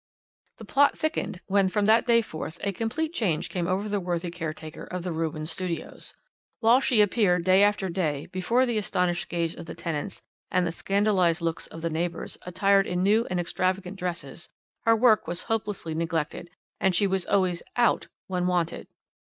"The plot thickened when from that day forth a complete change came over the worthy caretaker of the Rubens Studios. While she appeared day after day before the astonished gaze of the tenants and the scandalized looks of the neighbours, attired in new and extravagant dresses, her work was hopelessly neglected, and she was always 'out' when wanted.